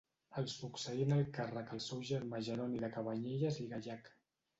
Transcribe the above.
El succeí en el càrrec el seu germà Jeroni de Cabanyelles i Gallac.